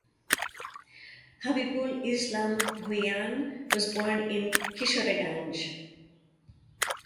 Habibul Islam Bhuiyan was born in Kishoreganj.